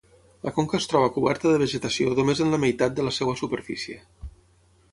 La conca es troba coberta de vegetació només en la meitat de la seva superfície.